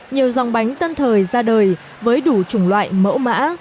nhiều dòng bánh tân thời ra đời với đủ chủng loại mẫu mã